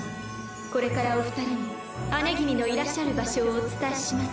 これからお二人に姉君のいらっしゃる場所をお伝えします。